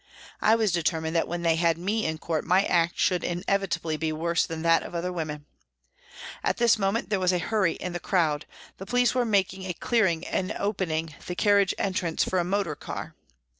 I was determined that when they had me in court my act should inevitably be worse than that of other women. At this moment there was a hurry in the crowd, the police were making a clearing and opening the carriage entrance for a motor car.